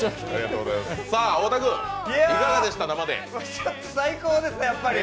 いや、ちょっと最高ですね、やっぱり。